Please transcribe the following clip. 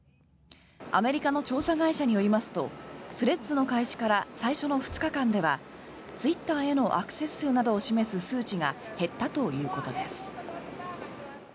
アメリカの調査会社によりますとスレッズの開始から最初の２日間ではツイッターへのアクセス数などを示す数値が減ったということです。